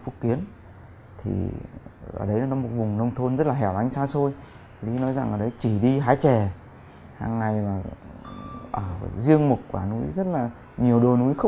cảm ơn quý vị và các bạn đã theo dõi